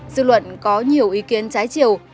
dư luận có nhiều ý kiến trái chiều